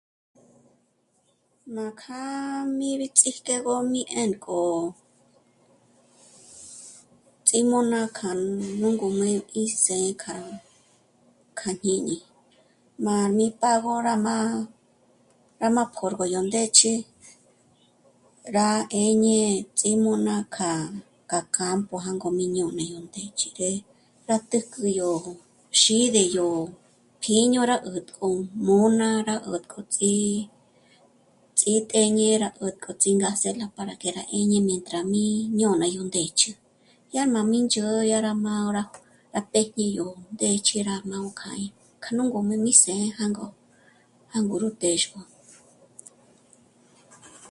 Nújkja... mí rí ts'íjk'egö mí 'ènk'o... ts'ím'ò'na k'a nú núngojm'e së̌'ë kja... k'a jñíni. Má'a mí págo rá má... rá má pjö̌rgu yó ndë́ch'ü rá 'éñe ts'ím'ò'na k'a... k'a campo jângo má ijñôna yó ndë́ch'ü rí ré'e, rá tǜjk'ü yó xíd'èdyo pjíño rá 'àjk'om'a ná rá 'ä̀k'ä'ts'í... ts'ítéñe rá 'ǜtk'u ts'íngaséla para que rá 'éñeji mientra mí ñôna yó ndë́ch'ü. Yá má mí ndzhôd'ü rá má 'ó rá 'éjñi yó ndë́ch'ü rá mágö kja í... kja nú ngum'ü yó mí së̌'ë jângo, jângo ró téxgö